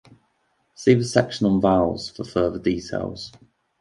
See the section on vowels for further details.